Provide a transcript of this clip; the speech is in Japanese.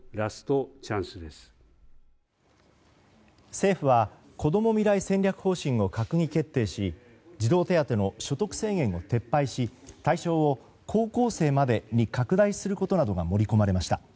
政府はこども未来戦略方針を閣議決定し児童手当の所得制限を撤廃し対象を高校生までに拡大することなどが盛り込まれました。